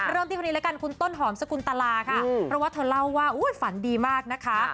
เริ่มติดตัวนี้ละกันคุณต้นหอมสกุลตลาค่ะระวังเถอะเล่าว่าฝันดีมากนะคะ